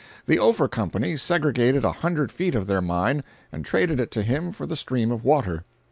The Ophir Company segregated a hundred feet of their mine and traded it to him for the stream of water.